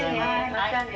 またね。